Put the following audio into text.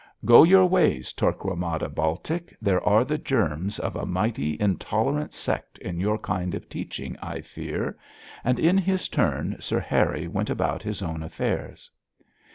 Go your ways, Torquemada Baltic, there are the germs of a mighty intolerant sect in your kind of teaching, I fear,' and in his turn Sir Harry went about his own affairs.